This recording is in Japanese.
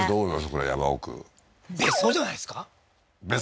これ山奥別荘じゃないですか？